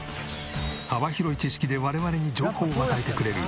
幅広い知識で我々に情報を与えてくれる。